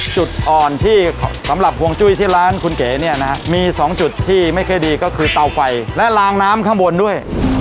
จุดอ่อนที่สำหรับห่วงจุ้ยที่ร้านคุณเก๋เนี่ยนะฮะมี๒จุดที่ไม่ค่อยดีก็คือเตาไฟและลางน้ำข้างบนด้วย